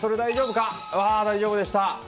大丈夫でした。